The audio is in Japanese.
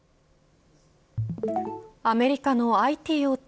アメリカのＩＴ大手